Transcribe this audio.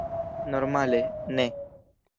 Normale, ne.